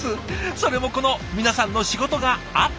それもこの皆さんの仕事があってこそ。